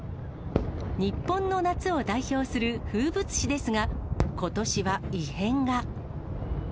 日本の夏を代表する風物詩ですが、ことしは異変が。